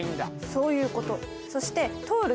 そういうこと。